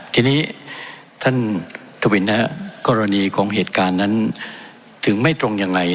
ทีนี้ท่านทวินกรณีของเหตุการณ์นั้นถึงไม่ตรงยังไง